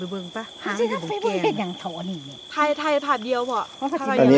แบบนี้แต่พริยาศก็เนี่ย